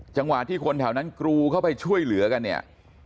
จังหวะที่คนแถวนั้นกรูเข้าไปช่วยเหลือกันเนี่ย